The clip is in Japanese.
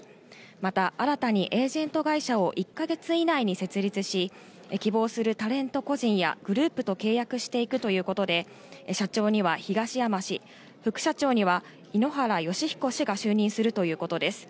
また新たにエージェント会社を１か月以内に設立し、希望するタレント個人やグループと契約していくということで、社長には東山氏、副社長には井ノ原快彦氏が就任するということです。